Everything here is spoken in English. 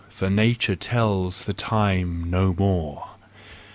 For nature tells the time no more!